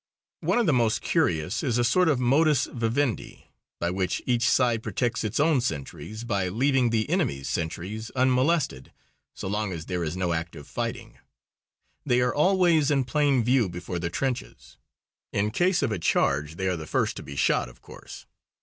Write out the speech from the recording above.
One of the most curious is a sort of modus vivendi by which each side protects its own sentries by leaving the enemy's sentries unmolested so long as there is no active fighting. They are always in plain view before the trenches. In case of a charge they are the first to be shot, of course.